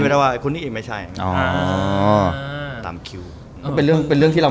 ไม่ได้ว่าคนนี้เองไม่ใช่ตามเข้า